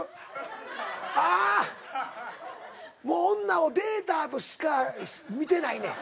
あもう女をデータとしか見てないねん。